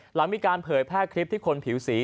หลังมีการเผยแพร่คลิปที่คนผิวสี